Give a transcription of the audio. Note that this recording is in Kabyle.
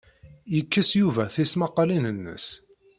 Yekkes Yuba tismaqqalin-nnes.